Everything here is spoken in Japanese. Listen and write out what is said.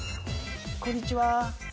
「こんにちは」。